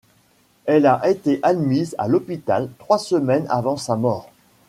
Elle a été admise à l'hôpital trois semaines avant sa mort.